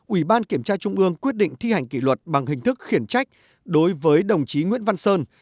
ủy ban kiểm tra trung ương quyết định thi hành kỷ luật bằng hình thức khiển trách đối với đồng chí nguyễn văn sơn